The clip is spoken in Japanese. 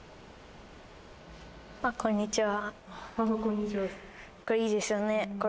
ああこんにちは。